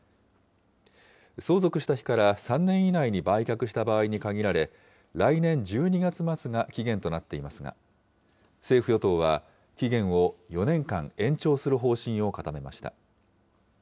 相続した日から３年以内に売却した場合に限られ、来年１２月末が期限となっていますが、政府・与党は、期限を４年間延長する方針を固めました。